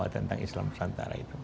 tentang islam nusantara itu